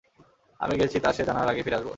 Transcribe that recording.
আমি গেছি তা সে জানার আগেই ফিরে আসব।